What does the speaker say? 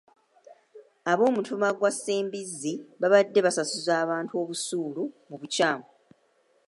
Ab'omutuba gwa Ssembizzi babadde basasuza abantu busuulu mu bukyamu.